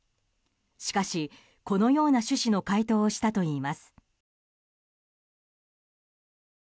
しかし、このような趣旨の回答をしたといいます。